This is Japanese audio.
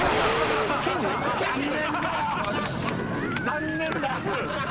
残念だ。